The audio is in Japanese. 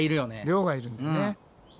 量がいるんだよね。